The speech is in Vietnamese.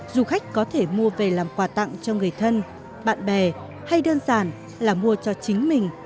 du khách có thể mua về làm quà tặng cho người thân bạn bè hay đơn giản là mua cho chính mình